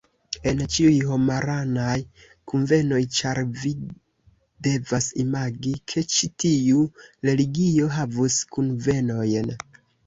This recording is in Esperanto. En ĉiuj homaranaj kunvenoj, ĉar vi devas imagi ke ĉi tiu religio havus kunvenojn